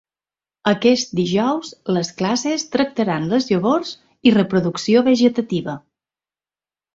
Aquest dijous les classes tractaran les llavors i reproducció vegetativa.